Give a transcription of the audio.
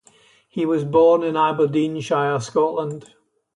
He was born in Aberdeenshire, Scotland.